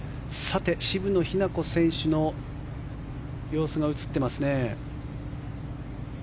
渋野日向子選手の様子が映っています。